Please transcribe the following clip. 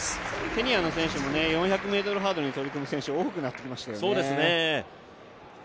ケニアの選手も４００ｍハードルに取り組む選手が多くなってきましたよね。